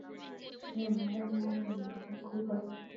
Nyamara mwananiwe kubikora